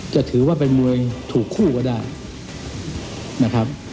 จะถือว่าเป็นมวยถูกคู่ก็ได้นะครับ